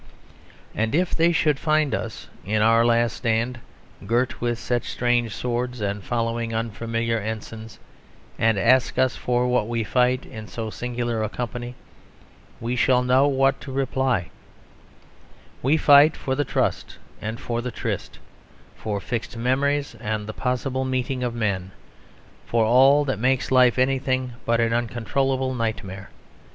And if they should find us in our last stand girt with such strange swords and following unfamiliar ensigns, and ask us for what we fight in so singular a company, we shall know what to reply: "We fight for the trust and for the tryst; for fixed memories and the possible meeting of men; for all that makes life anything but an uncontrollable nightmare.